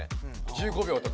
１５秒とか。